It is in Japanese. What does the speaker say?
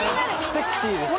セクシーです